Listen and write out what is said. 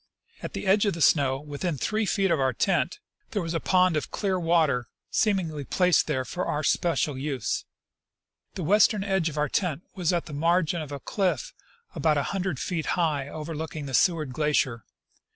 At the edge of the snow, within three feet of our tent, there was a pond Point Glorious. 137 of clear water, seemingly placed there for our special use. The western edge of our tent was at the margin of a cliff about a hundred feet high, overlooking the Seward glacier.